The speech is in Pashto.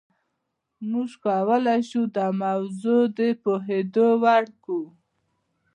موږ کولای شو دا موضوع د پوهېدو وړ کړو.